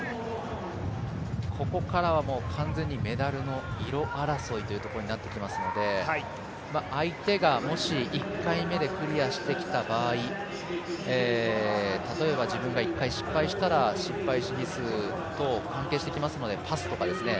ここからはメダルの色争いということになってきますので相手がもし１回目でクリアしてきた場合例えば自分が１回失敗したら、失敗試技数と関係してきますので、パスとかですね